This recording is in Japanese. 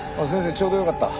ちょうどよかった。